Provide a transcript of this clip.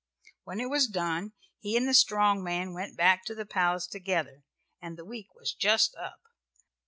When it was done he and the strong man went back to the palace together, and the week was just up.